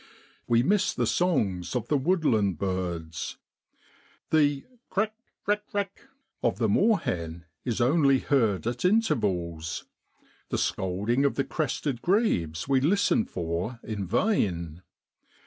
We miss the songs of the woodland birds. The crek rek rek of the moorhen is only heard at intervals, the scolding of the crested grebes we listen for in vain.